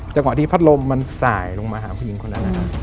จังหวะที่พัดลมมันส่ายลงมาหาผู้หญิงนนั้น